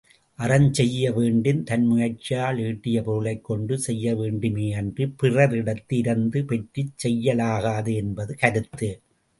அறஞ்செய்ய வேண்டின் தன் முயற்சியால் ஈட்டிய பொருளைக் கொண்டு செய்யவேண்டுமேயன்றிப் பிறரிடத்து இரந்து பெற்றுச் செய்யலாகாது என்பது கருத்து.